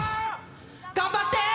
頑張って！